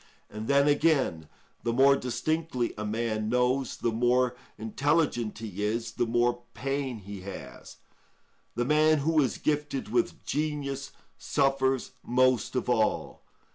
And then, again, the more distinctly a man knows, the more intelligent he is, the more pain he has; the man who is gifted with genius suffers most of all.